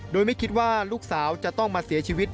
โดยไม่คิดว่าลูกสาวจะต้องมาเสียชีวิต